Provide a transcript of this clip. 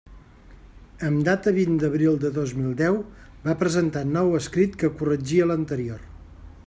Amb data vint d'abril de dos mil deu va presentar nou escrit que corregia l'anterior.